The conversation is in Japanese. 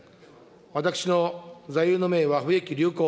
私の座右の銘は不易流行。